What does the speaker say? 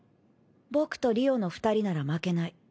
僕と莉央の２人なら負けない。